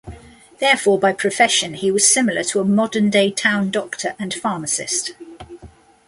Therefore, by profession he was similar to a modern-day town doctor and pharmacist.